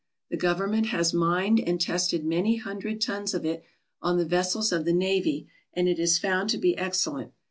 The Government has mined and tested many hundred tons of it on the vessels of the navy and it is found to be excellent.